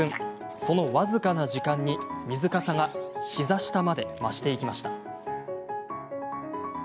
その僅かな時間に、水かさが膝下まで増していきました。